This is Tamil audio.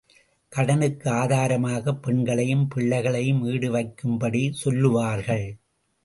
கடனுக்கு ஆதாரமாகப் பெண்களையும் பிள்ளைகளையும் ஈடு வைக்கும்படிச் சொல்லுவார்கள்.